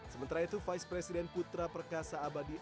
sementara itu vice president putra perkasa abadi